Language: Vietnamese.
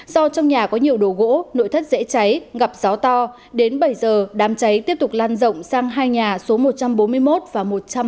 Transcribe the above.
do trong nhà có nhiều đổ gỗ nội thất dễ cháy ngập gió to đến bảy giờ đàm cháy tiếp tục lan rộng sang hai nhà số một trăm bốn mươi một và một trăm bốn mươi chín